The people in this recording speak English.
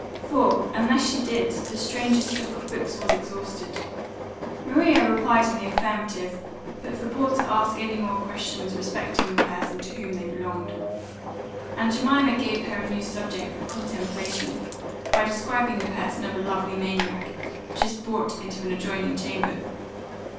for, unless she did, the stranger's stock of books was exhausted. Maria replied in the affirmative; but forbore to ask any more questions respecting the person to whom they belonged. And Jemima gave her a new subject for contemplation, by describing the person of a lovely maniac, just brought into an adjoining chamber.